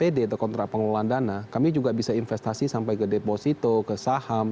d atau kontrak pengelolaan dana kami juga bisa investasi sampai ke deposito ke saham